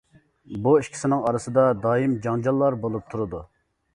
بۇ ئىككىسىنىڭ ئارىسىدا دائىم جاڭجاللار بولۇپ تۇرىدۇ.